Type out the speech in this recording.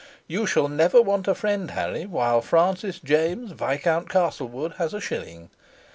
You shall never want a friend, Harry, while Francis James Viscount Castlewood has a shilling.